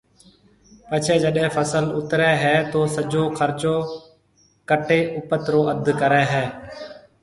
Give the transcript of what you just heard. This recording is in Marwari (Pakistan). پڇيَ جڏَي فصل اُترَي ھيََََ تو سجو خرچو ڪٽَي اُپت رو اڌ ڪريَ ھيََََ